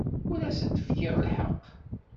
Ur asent-kfiɣ lḥeqq.